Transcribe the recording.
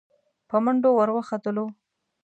په منډه ور وختلو.